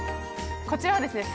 こちらはですね